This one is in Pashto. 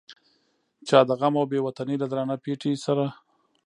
چا د غم او بې وطنۍ له درانه پیټي سره.